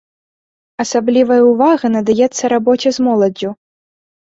Асаблівая ўвага надаецца рабоце з моладдзю.